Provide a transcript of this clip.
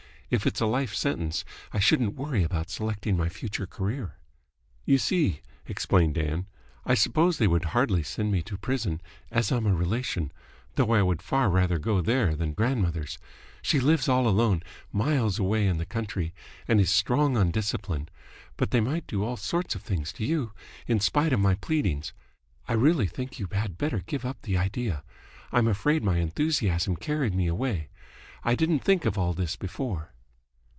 If it's a life sentence, I shouldn't worry about selecting my future career." "You see," explained Ann, "I suppose they would hardly send me to prison, as I'm a relation though I would far rather go there than to grandmother's. She lives all alone miles away in the country, and is strong on discipline but they might do all sorts of things to you, in spite of my pleadings. I really think you had better give up the idea, I'm afraid my enthusiasm carried me away. I didn't think of all this before."